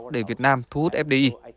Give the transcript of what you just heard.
để việt nam thu hút fdi